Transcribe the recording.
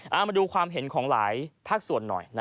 เอามาดูความเห็นของหลายภาคส่วนหน่อย